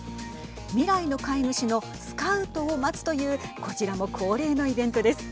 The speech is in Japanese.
未来の飼い主のスカウトを待つというこちらも恒例のイベントです。